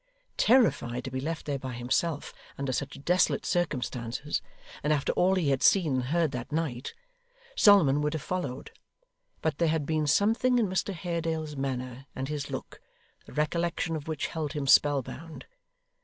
Terrified to be left there by himself, under such desolate circumstances, and after all he had seen and heard that night, Solomon would have followed, but there had been something in Mr Haredale's manner and his look, the recollection of which held him spellbound.